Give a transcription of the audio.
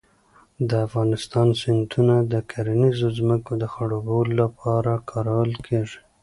د افغانستان سیندونه د کرنیزو ځمکو د خړوبولو لپاره کارول کېږي.